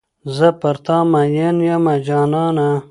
زه پر تا میین یمه جانانه.